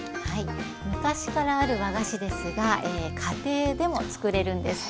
昔からある和菓子ですが家庭でも作れるんです。